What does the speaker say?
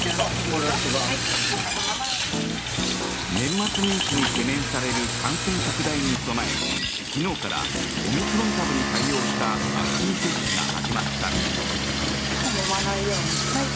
年末年始に懸念される感染拡大に備え昨日からオミクロン株に対応したワクチン接種が始まった。